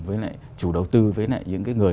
với lại chủ đầu tư với lại những cái người